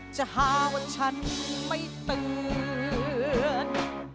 จะหาว่าฉันไม่เตือน